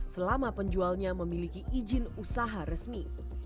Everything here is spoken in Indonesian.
selama penjualnya memiliki izin usaha resmi